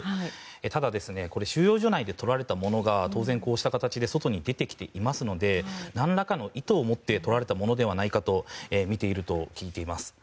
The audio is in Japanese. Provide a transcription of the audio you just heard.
ただ、収容所内で撮られたものが当然、こうした形で外に出てきていますので何らかの意図を持って撮られたのではないかとみていると聞いています。